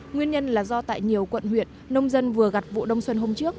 nguyên nhân là do tại nhiều quận huyện nông dân vừa gặt vụ đông xuân hôm trước